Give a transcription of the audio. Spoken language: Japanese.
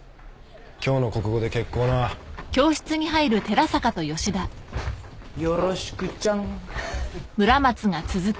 今日の国語で決行なよろしくちゃん！